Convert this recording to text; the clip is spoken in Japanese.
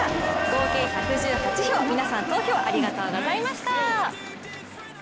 合計１１８票、皆さん、投票ありがとうございました。